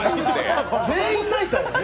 全員泣いたよね。